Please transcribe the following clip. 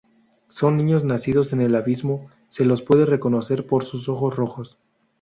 Son niños nacidos en el abismo, se los puede reconocer por sus ojos rojos.